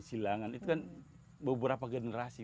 silangan itu kan beberapa generasi